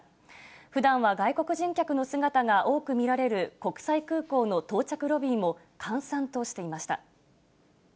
ふだんは外国人客の姿が多く見られる国際空港の到着ロビーも、閑散としていました。